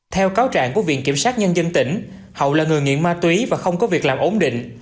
theo cáo trạng của viện kiểm sát nhân dân tỉnh hậu là người nghiện ma túy và không có việc làm ổn định